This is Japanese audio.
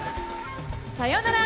さよなら。